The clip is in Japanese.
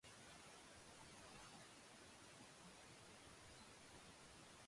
肝腎の洒落の方はさっぱりぴんと来ないことになる